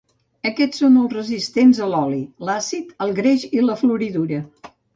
Aquests són resistents a l"oli, l"àcid, el greix i la floridura.